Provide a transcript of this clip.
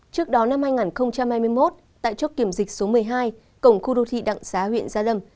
trước đó năm hai nghìn hai mươi một tại chốt kiểm dịch số một mươi hai cổng khu đô thị đặng xá huyện gia lâm